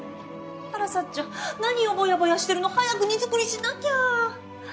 あらサッちゃん何をぼやぼやしてるの？早く荷造りしなきゃ。